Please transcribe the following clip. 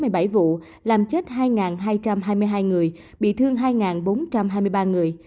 đường sắt xảy ra hai mươi năm vụ làm chết một mươi sáu người bị thương bảy người